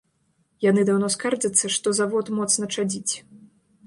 Яны даўно скардзяцца, што завод моцна чадзіць.